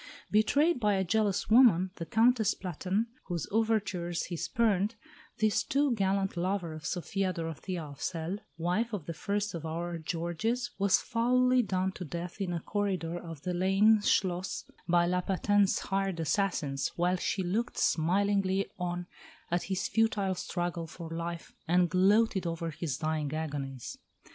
Betrayed by a jealous woman, the Countess Platen, whose overtures he spurned, this too gallant lover of Sophia Dorothea of Celle, wife of the first of our Georges, was foully done to death in a corridor of the Leine Schloss by La Paten's hired assassins, while she looked smilingly on at his futile struggle for life, and gloated over his dying agonies.